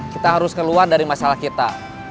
kita harus keluar dari masalah kita